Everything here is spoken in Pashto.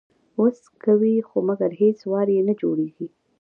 وس کوي خو مګر هیڅ وار یې نه جوړیږي